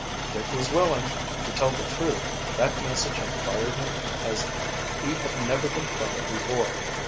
Dick was willing. To tell the truth, that message had fired him as he had never been fired before.